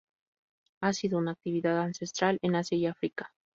Ha sido una actividad ancestral en Asia y África.